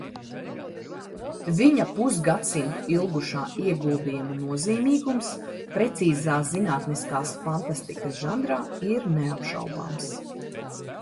Viņa pusgadsimtu ilgušā ieguldījuma nozīmīgums precīzās zinātniskās fantastikas žanrā ir neapšaubāms.